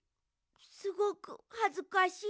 すごくはずかしい。